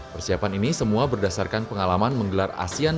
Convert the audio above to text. persiapan ini semua berdasarkan pengalaman menggelar asean